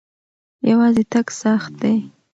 یوازې تګ سخت دی.